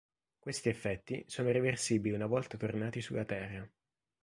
Questi effetti sono reversibili una volta tornati sulla Terra.